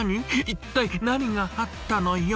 一体何があったのよ。